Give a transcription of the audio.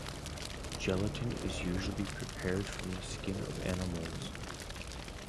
Gelatin is usually prepared from the skin of animals.